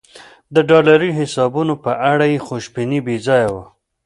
د ډالري حسابونو په اړه یې خوشبیني بې ځایه وه.